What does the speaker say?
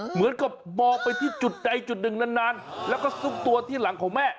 เหมือนกับมองไปที่จุดใดจุดหนึ่งนานแล้วก็ซุกตัวที่หลังของแม่